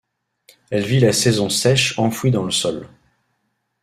Elle vit la saison sèche enfouie dans le sol.